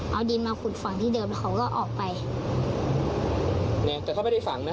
เอาดินมาขุดฝังที่เดิมแล้วเขาก็ออกไปนะแต่เขาไม่ได้ฝังนะ